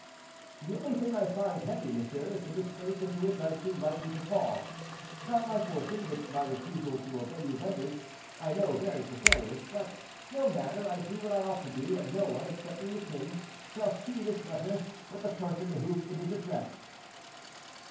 "The only thing I find heavy, monsieur, is the disgrace into which I seem likely to fall; not my fortune, which my refusal to obey you renders, I know, very precarious; but, no matter; I do what I ought to do, and no one, excepting the king, shall see this letter, but the person to whom it is addressed."